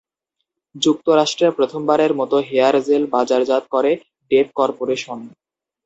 যুক্তরাষ্ট্রে প্রথমবারের মতো হেয়ার জেল বাজারজাত করে ডেপ করপোরেশন।